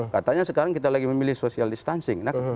katanya sekarang kita lagi memilih social distancing